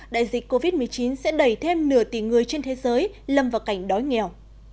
đại dịch covid một mươi chín sẽ đẩy thêm nửa tỷ người trên thế giới lâm vào cảnh đói nghèo